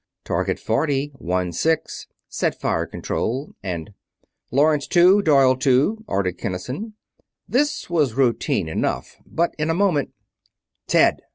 "Target Forty one six," said Fire Control; and: "Lawrence, two. Doyle, two," ordered Kinnison. This was routine enough, but in a moment: "Ted!"